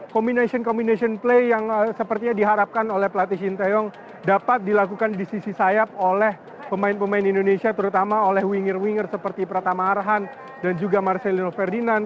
kombinasi kombinasi permainan yang sepertinya diharapkan oleh platis hinteyong dapat dilakukan di sisi sayap oleh pemain pemain indonesia terutama oleh winger winger seperti pratama arhan dan juga marcelino ferdinand